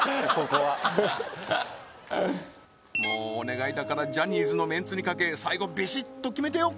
ここはもうお願いだからジャニーズの面目に懸け最後ビシッと決めてよ